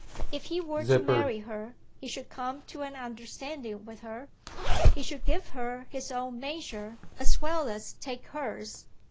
If he were to marry her he should come to an understanding with her: he should give her his own measure as well as take hers.